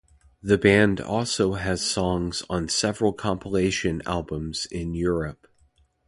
The band also has songs on several compilation albums in Europe.